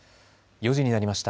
４時になりました。